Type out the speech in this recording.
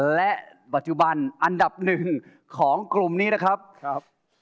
และปัจจุบันอันดับหนึ่งของกลุ่มนี้นะครับ